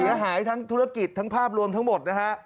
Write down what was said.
เสียหายทั้งธุรกิจทั้งภาพรวมทั้งหมดนะฮะ